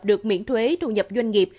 được miễn thuế thu nhập doanh nghiệp